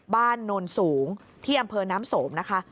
โนนสูงที่อำเภอน้ำสมนะคะ